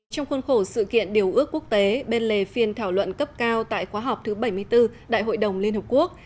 trong khuôn khổ sự kiện điều ước quốc tế bên lề phiên thảo luận cấp cao tại khóa họp thứ bảy mươi bốn đại hội đồng liên hợp quốc